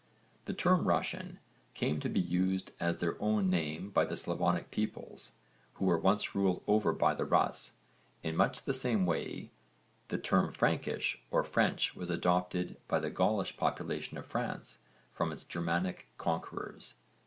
The term 'Russian' came to be used as their own name by the Slavonic peoples, who were once ruled over by the Russ, in much the same way that the term 'Frankish' or 'French' was adopted by the Gaulish population of France from its Germanic conquerors.